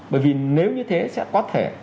bởi vì nếu như thế sẽ có thể